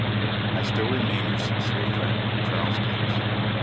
"I still remain your sincere friend, CHARLES GIBBS."